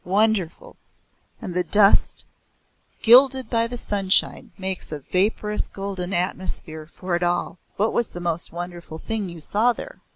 Wonderful! And the dust, gilded by the sunshine, makes a vaporous golden atmosphere for it all." "What was the most wonderful thing you saw there?"